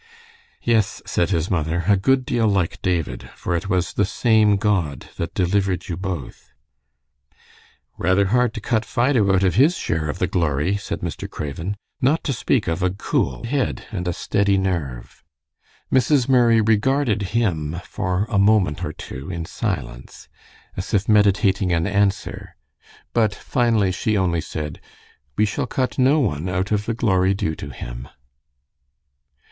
"Yes," said his mother, "a good deal like David, for it was the same God that delivered you both." "Rather hard to cut Fido out of his share of the glory," said Mr. Craven, "not to speak of a cool head and a steady nerve." Mrs. Murray regarded him for a moment or two in silence, as if meditating an answer, but finally she only said, "We shall cut no one out of the glory due to him."